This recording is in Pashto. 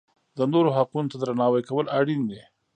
د نورو حقونو ته درناوی کول اړین دي.